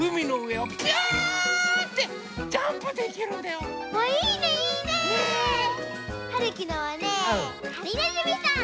はるきのはねはりねずみさん。